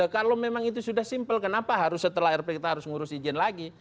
kalau memang itu sudah simple kenapa harus setelah rptka harus ngurus izin lagi